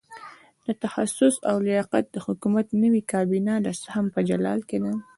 د تخصص او لیاقت د حکومت نوې کابینه د سهم په جال کې ده.